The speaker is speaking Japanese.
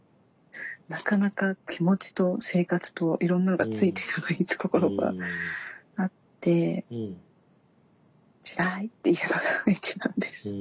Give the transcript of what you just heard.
なかなか気持ちと生活といろんなのがついていかないってところがあってつらいっていうのが一番です。